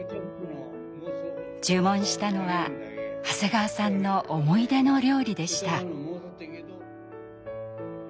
注文したのは長谷川さんの思い出の料理でした。